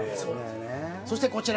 そしてこちらがね